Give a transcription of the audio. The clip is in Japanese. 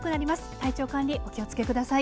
体調管理、お気をつけください。